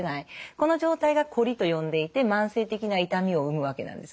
この状態がこりと呼んでいて慢性的な痛みを生むわけなんです。